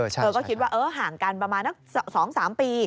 เธอก็คิดว่าห่างกันประมาณนัก๒๓ปี